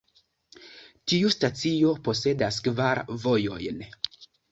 Tiu stacio posedas kvar vojojn.